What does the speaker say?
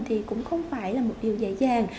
thì cũng không phải là một điều dạy dàng